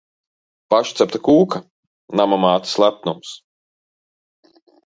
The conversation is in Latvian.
Pašcepta kūka! Nama mātes lepnums!